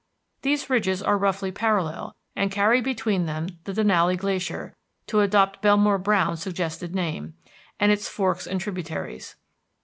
These ridges are roughly parallel, and carry between them the Denali Glacier, to adopt Belmore Browne's suggested name, and its forks and tributaries.